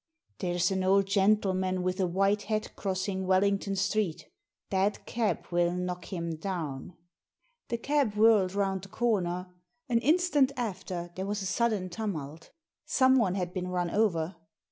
There's an old gentleman with a white hat cross ing Wellington Street — that cab will knock him down!" The cab whirled round the comer. An instant after there was a sudden tumult — someone had been run over.